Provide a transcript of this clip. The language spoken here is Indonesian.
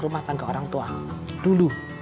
rumah tangga orang tua dulu